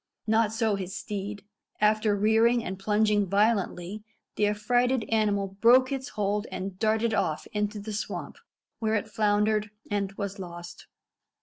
Not so his steed. After rearing and plunging violently, the affrighted animal broke its hold and darted off into the swamp, where it floundered and was lost.